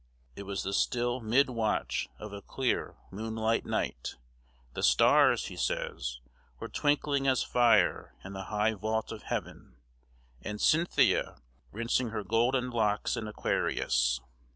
It was the still mid watch of a clear moonlight night; the stars, he says, were twinkling as fire in the high vault of heaven, and "Cynthia rinsing her golden locks in Aquarius."